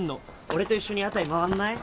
俺と一緒に屋台回んない？